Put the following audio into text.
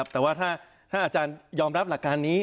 ถ้าอาจารย์ยอมรับหลักการนี้